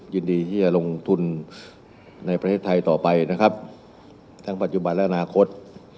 ยินดีที่จะลงทุนในประเทศไทยต่อไปนะครับทั้งปัจจุบันและอนาคต